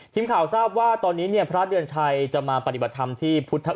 ทีมข่าวทราบว่าตอนนี้เนี่ยพระอาจารย์เตือนชัย